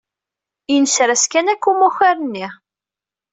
Inser-as kan akka umakar-nni.